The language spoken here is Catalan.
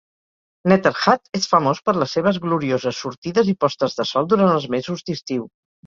Netarhat és famós per les seves glorioses sortides i postes de sol durant els mesos d'estiu.